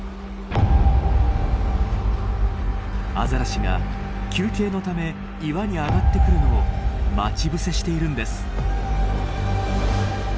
アザラシが休憩のため岩に上がってくるのを待ち伏せしているんです。